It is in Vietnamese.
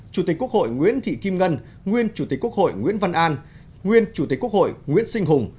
chủ tịch quốc hội nguyễn thị kim ngân nguyên chủ tịch quốc hội nguyễn văn an nguyên chủ tịch quốc hội nguyễn sinh hùng